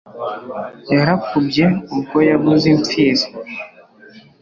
Yarakubye ubwo yabuze Imfizi